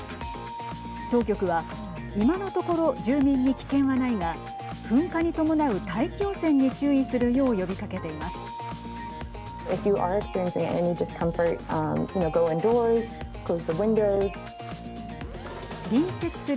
当局は今のところ住民に危険はないが噴火に伴う大気汚染に注意するよう呼びかけています。